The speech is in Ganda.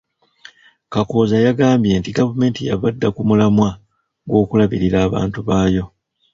Kakooza yagambye nti gavumenti yava dda ku mulamwa gw’okulabirira abantu baayo.